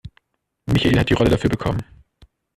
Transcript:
Michael hat die Rolle dafür bekommen.